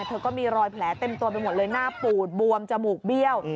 ก็มีรอยแผลเต็มตัวไปหมดเลยหน้าปูดบวมจมูกเบี้ยว